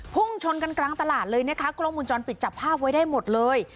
พุ่งชนกันกลางตลาดเลยนะคะกล้องมูลจรปิดจับภาพไว้ได้หมดเลย